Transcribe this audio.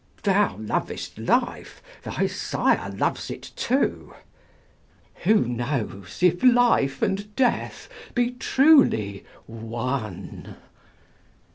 "Thou lovest life, thy sire loves it too." "Who knows if life and death be truly one?"